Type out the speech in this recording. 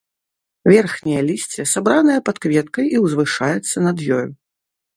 Верхняе лісце сабранае пад кветкай і ўзвышаецца над ёю.